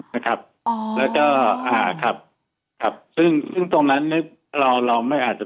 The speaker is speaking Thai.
นะครับอ๋อแล้วก็อ่าครับครับซึ่งซึ่งตรงนั้นเนี้ยเราเราไม่อาจจะ